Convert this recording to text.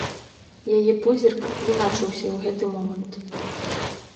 Яе позірк з'іначыўся ў гэты момант.